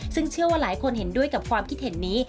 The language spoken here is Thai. ซึ่งเชื่อว่าหลายคนเห็นด้วยกับความคิดเห็นนี้